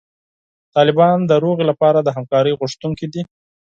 طالبان د سولې لپاره د همکارۍ غوښتونکي دي.